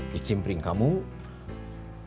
kicim pring kamu harus dijamin tidak mengandung zat